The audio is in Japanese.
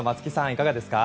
いかがですか？